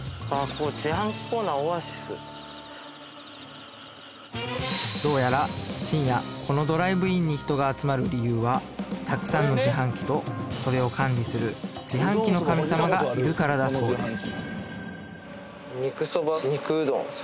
ここどうやら深夜このドライブインに人が集まる理由はたくさんの自販機とそれを管理する自販機の神様がいるからだそうです